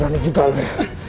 berani juga pak